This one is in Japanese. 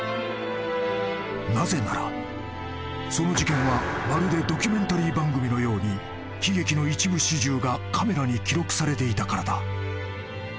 ［なぜならその事件はまるでドキュメンタリー番組のように悲劇の一部始終がカメラに記録されていたからだ］